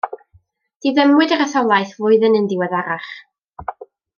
Diddymwyd yr etholaeth flwyddyn yn ddiweddarach.